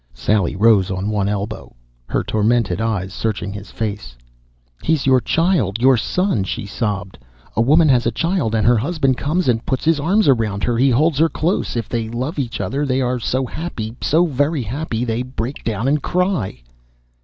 Sally rose on one elbow, her tormented eyes searching his face. "He's your child, your son!" she sobbed. "A woman has a child and her husband comes and puts his arms around her. He holds her close. If they love each other they are so happy, so very happy, they break down and cry."